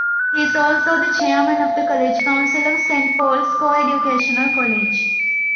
He is also the Chairman of the College Council of Saint Paul's Co-educational College.